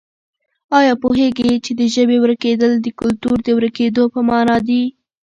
آیا پوهېږې چې د ژبې ورکېدل د کلتور د ورکېدو په مانا دي؟